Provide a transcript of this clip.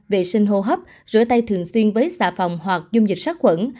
vệ sinh hô hấp rửa tay thường xuyên với xạ phòng hoặc dung dịch sát quẩn